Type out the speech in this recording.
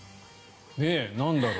なんだろう。